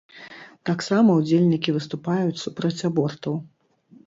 Таксама ўдзельнікі выступаюць супраць абортаў.